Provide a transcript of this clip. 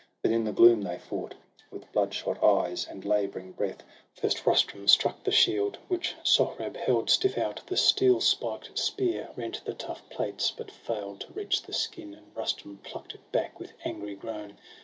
But in the gloom they fought, with bloodshot eyes And labouring breath ; first Rustum struck the shield Which Sohrab held stiff out ; the steel spiked spear Rent the tough plates, but fail'd to reach the skin. SOHRAB AND RUSTUM. 105 And Rustum pluck'd it back with angry groan.